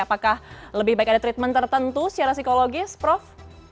apakah lebih baik ada treatment tertentu secara psikologis prof